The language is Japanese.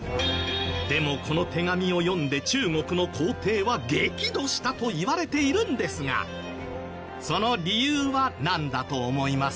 でもこの手紙を読んで中国の皇帝は激怒したといわれているんですがその理由はなんだと思いますか？